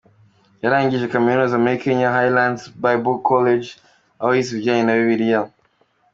Yarangije kaminuza muri Kenya Highlands Bible College aho yize ibijyanye na Bibiliya.